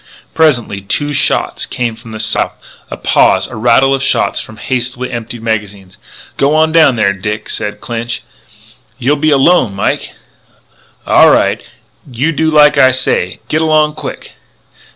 Presently two shots came from the south. A pause; a rattle of shots from hastily emptied magazines. "G'wan down there, Dick!" said Clinch. "You'll be alone, Mike " "Au' right. You do like I say; git along quick!"